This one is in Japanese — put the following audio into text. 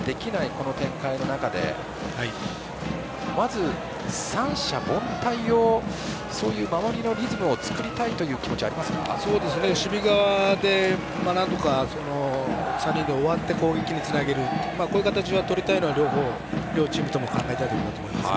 この展開の中で、まず三者凡退をそういう守りのリズムを作りたいという守備側でなんとか３人で終わって攻撃につなげるこういう形をとりたいのは両チームとも考えていると思います。